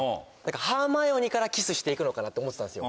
ハーマイオニーからキスして行くのかなって思ってたんですよ。